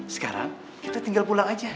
sekarang kita tinggal pulang aja